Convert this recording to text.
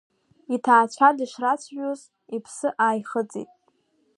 Иҭаацәа дышрацәажәоз, иԥсы ааихыҵит.